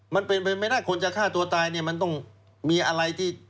ไม่น่าคนจะฆ่าตัวตายเนี่ยมันต้องมีอะไรที่